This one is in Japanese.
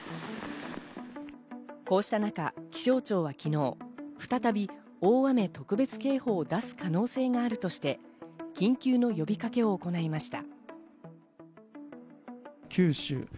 こうした中、気象庁は昨日、再び大雨特別警報を出す可能性があるとして、緊急の呼びかけを行いました。